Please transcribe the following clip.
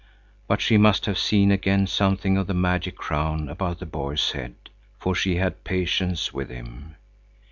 But she must have seen again something of the magic crown about the boy's head, for she had patience with him.